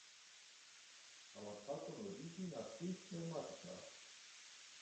Howard Falcon odjíždí na svých pneumatikách.